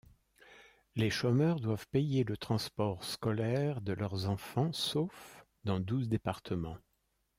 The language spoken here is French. Les chômeurs doivent payer le transport scolaire de leurs enfants sauf dans douze départements.